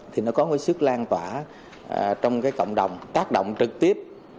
thì nó có một sức lan tỏa trong cộng đồng tác động trực tiếp